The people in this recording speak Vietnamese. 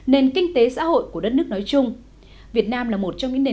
nên kinh tế xã hội của đất nước sẽ không thể tăng cường nguồn vốn cho hệ thống đường thủy